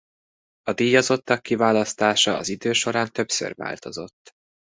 A díjazottak kiválasztása az idő során többször változott.